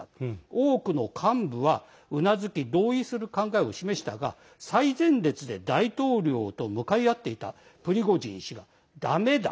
多くの幹部はうなずき同意する考えを示したが最前列で大統領と向かい合っていたプリゴジン氏が、だめだ。